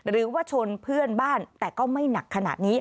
หรือว่าชนเพื่อนบ้านแต่ก็ไม่หนักขนาดนี้